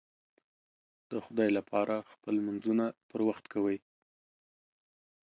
د خدای لپاره خپل لمونځونه پر وخت کوئ